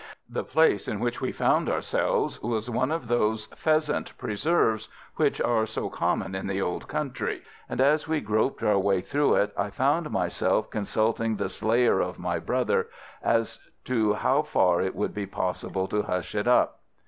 The place in which we found ourselves was one of those pheasant preserves which are so common in the Old Country, and as we groped our way through it I found myself consulting the slayer of my brother as to how far it would be possible to hush it up.